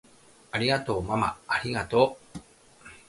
ありがとうままありがとう！